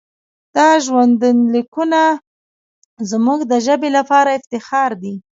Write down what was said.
دا ژوندلیکونه زموږ د ژبې لپاره افتخار دی.